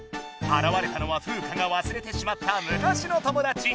あらわれたのはフウカがわすれてしまったむかしの友だち。